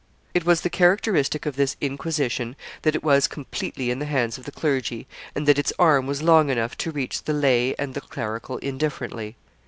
It was the characteristic of this Inquisition, that it was completely in the hands of the clergy, and that its arm was long enough to reach the lay and the clerical indifferently.